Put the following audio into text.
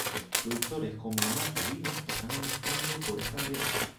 Productores como Amato Vino están apostando por esta variedad.